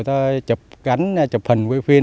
ta chụp ảnh chụp hình quay phim